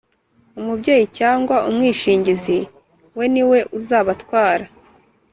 Umubyeyi cyangwa umwishingizi we niwe uzabatwara